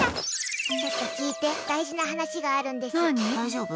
ちょっと聞いて大事な話があるんですけど。